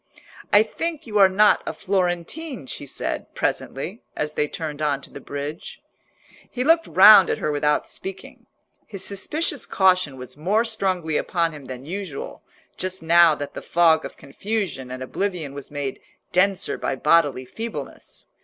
"I think you are not a Florentine," she said, presently, as they turned on to the bridge. He looked round at her without speaking. His suspicious caution was more strongly upon him than usual, just now that the fog of confusion and oblivion was made denser by bodily feebleness.